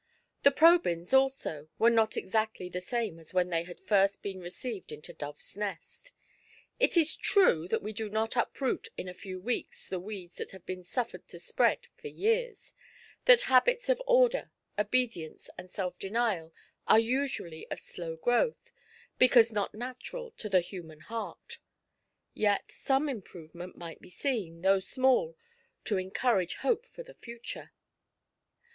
The Probyns also were not exactly the same as when they had first been received into Dove's Nest. It is true that we do not uproot in a few weeks the weeds that have been sufiered to spread for years — that habits of order, obedience, and self denial are usually of slow growth, because not natural to the human heart; yet some improvement might be seen, though small, to en courage hope for the future.